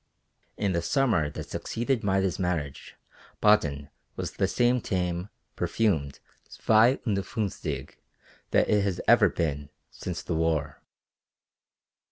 In the summer that succeeded Maida's marriage Baden was the same tame, perfumed zwei und funfzig that it has ever been since the war.